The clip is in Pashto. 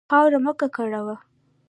خاوره مه ککړوه.